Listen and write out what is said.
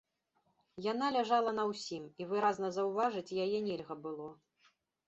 Яна ляжала на ўсім, і выразна заўважыць яе нельга было.